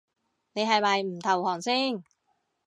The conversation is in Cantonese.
你係咪唔投降先